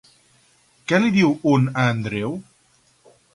Què li diu un a Andreu?